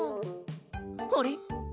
あれ？